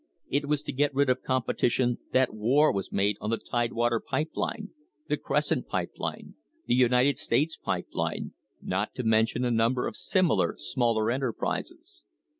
It was to get rid of competition that war was made on the Tidewater Pipe Line, the Crescent Pipe Line, the United States Pipe Line, not to mention a number of similar smaller enterprises.